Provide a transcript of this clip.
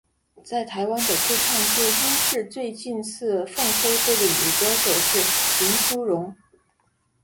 在台湾的歌唱界音质最近似凤飞飞的女歌手是林淑容。